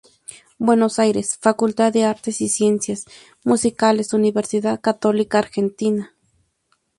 Buenos Aires: Facultad de Artes y Ciencias Musicales, Universidad Católica Argentina.